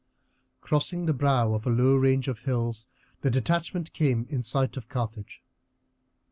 Crossing the brow of a low range of hills the detachment came in sight of Carthage.